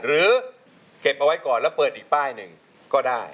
หรือเก็บเอาไว้ก่อนแล้วเปิดอีกป้ายหนึ่งก็ได้